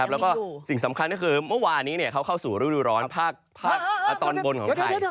แล้วก็สิ่งสำคัญก็คือเมื่อวานี้เขาเข้าสู่ฤดูร้อนภาคตอนบนของไทย